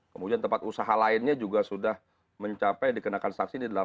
kemudian tempat usaha lainnya juga sudah mencapai dikenakan saksi di delapan satu ratus dua puluh sembilan